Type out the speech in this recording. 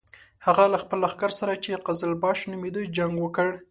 هغه له خپل لښکر سره چې قزلباش نومېده جنګ وکړ.